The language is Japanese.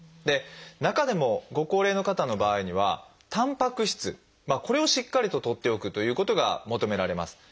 中でもご高齢の方の場合にはたんぱく質これをしっかりととっておくということが求められます。